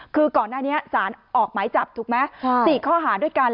คือก่อนหน้านี้สารออกหมายจับถูกไหม๔ข้อหาด้วยกัน